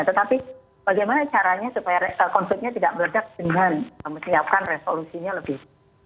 tetapi bagaimana caranya supaya konfliknya tidak meledak dengan menyiapkan resolusinya lebih